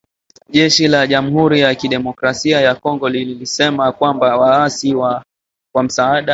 Jeshi la Jamhuri ya kidemokrasia ya Kongo lilisema kwamba waasi kwa msaada wa jeshi la Rwanda, walishambulia kambi za Tchanzu na Runyonyi.